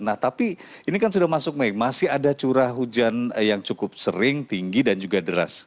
nah tapi ini kan sudah masuk mei masih ada curah hujan yang cukup sering tinggi dan juga deras